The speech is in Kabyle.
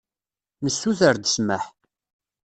Nessuter-d ssmaḥ.